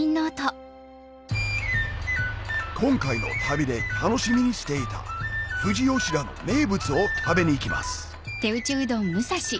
今回の旅で楽しみにしていた富士吉田の名物を食べに行きます